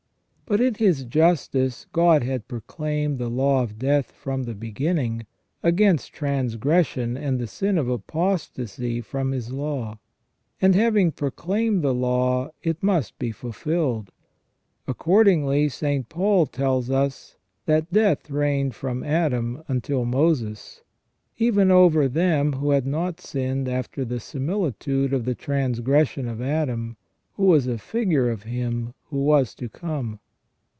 But in His justice God had proclaimed the law of death from the beginning, against transgression and the sin of apostasy from His law. And having proclaimed the law, it must be fulfilled. Accordingly St. Paul tells us " that death reigned from Adam until Moses, even over them who had not sinned after the similitude of the transgression of Adam, who was a figure of Him who was to come